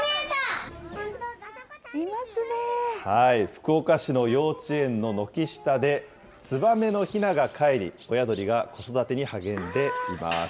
福岡市の幼稚園の軒下で、ツバメのひながかえり、親鳥が子育てに励んでいます。